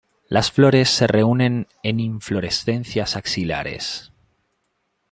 Las flores se reúnen en inflorescencias axilares.